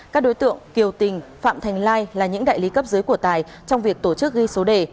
các đối tượng kiều tình phạm thành lai là những đại lý cấp dưới của tài trong việc tổ chức ghi số đề